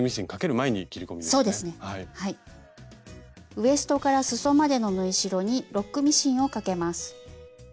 ウエストからすそまでの縫い代にロックミシンをかけます。